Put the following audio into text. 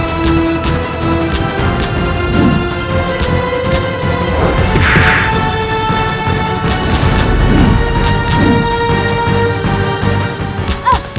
beri kemohonan dengan kita